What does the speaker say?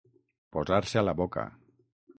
Posar-se a la boca.